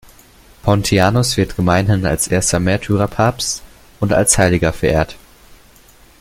Pontianus wird gemeinhin als erster Märtyrer-Papst und als Heiliger verehrt.